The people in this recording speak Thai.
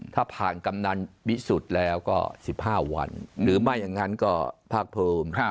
ถ้าผ่านกำนันวิสุทธิ์แล้วก็๑๕วันหรือไม่อย่างนั้นก็ภาคภูมิ